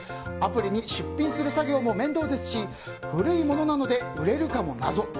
アプリに出品する作業も面倒ですし古いものなので売れるかも謎。